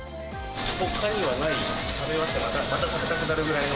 ほかにはない、食べ終わったらまた食べたくなるぐらいの。